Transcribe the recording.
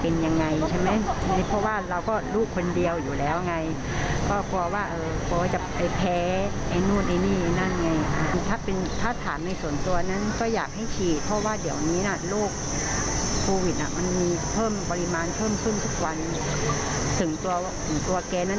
นั้นไม่ได้ออกไปไหนแต่เราก็กังวลลูกคนเดียวเนาะ